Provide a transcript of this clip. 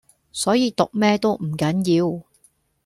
所以讀咩都唔緊要⠀